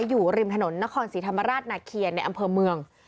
อยู่ริมถนนนครศรีธรรมราชนาเคียนในอำเภอเมือง